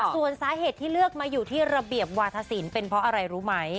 ส่วนสาเหตุที่เลือกมาอยู่ที่ระเบียบวาธศิลป์เป็นเพราะอะไรรู้ไหม